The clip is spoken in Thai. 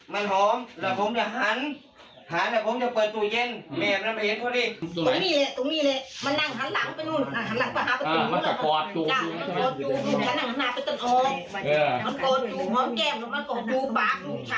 มันโกรธดูหอมแก้มมันโกรธดูบัตรทุกชั้น